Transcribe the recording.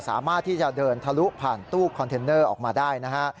สามารถที่จะเดินทะลุผ่านตู้คอนเทนเนอร์ออกมาได้นะฮะ